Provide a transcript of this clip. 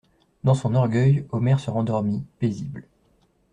Dans son orgueil, Omer se rendormit, paisible.